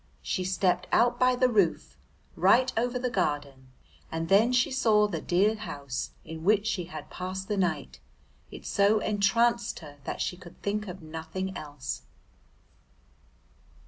She stepped out by the roof, right over the garden, and then she saw the dear house in which she had passed the night. It so entranced her that she could think of nothing else.